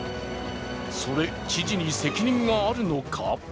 それ、知事に責任があるのか？